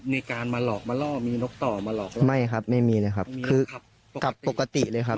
มีการมาหลอกมาล่อมีนกต่อมาหลอกไม่ครับไม่มีเลยครับคือขับกลับปกติเลยครับ